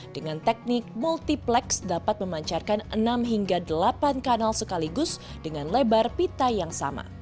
dengan teknik multiplex dapat memancarkan enam hingga delapan kanal sekaligus dengan lebar pita yang sama